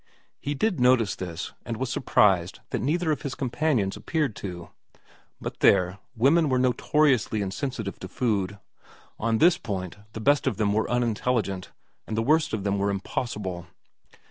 He did notice this, and was surprised that neither of his companions appeared to. But there, women were notoriously insensitive to food ; on this point the best of them were unintelligent, and the worst of them were impossible.